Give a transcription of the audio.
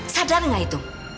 sadar gak itu